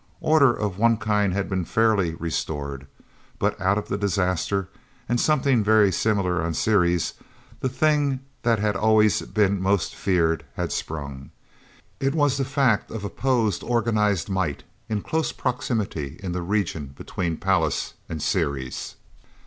Order of one kind had been fairly restored. But out of the disaster, and something very similar on Ceres, the thing that had always been most feared had sprung. It was the fact of opposed organized might in close proximity in the region between Pallas and Ceres.